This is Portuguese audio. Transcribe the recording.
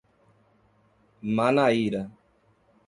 Manaíra